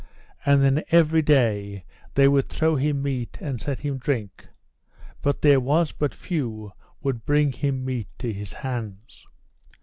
And then every day they would throw him meat, and set him drink, but there was but few would bring him meat to his hands.